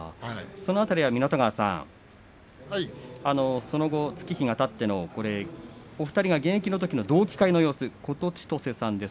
その辺りは湊川さん月日がたってお二人が現役のときの同期会の様子